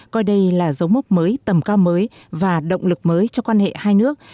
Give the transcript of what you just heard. coi đây là dấu mốc mới tầm cao mới và động lực mới cho quan hệ hai nước